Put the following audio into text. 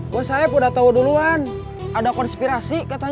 bos saeb udah tahu duluan ada konspirasi